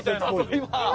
今。